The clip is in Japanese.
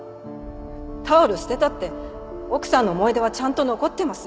タオル捨てたって奥さんの思い出はちゃんと残ってます。